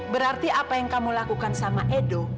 berarti apa yang kamu lakukan sama edo